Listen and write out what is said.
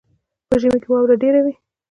په ژمي کې واوره ډیره وي.